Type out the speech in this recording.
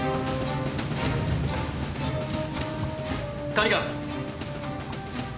管理官。